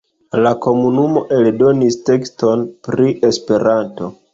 La komunumo eldonis tekston pri Esperanto.